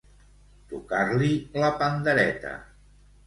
Tocar-li la pandereta.